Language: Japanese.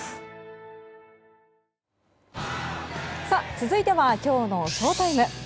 続いてはきょうのＳＨＯＴＩＭＥ。